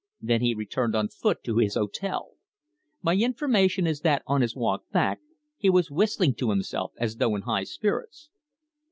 Then he returned on foot to his hotel. My information is that on his walk back he was whistling to himself, as though in high spirits."